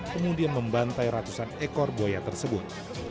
kemudian membantai ratusan ekor buaya tersebut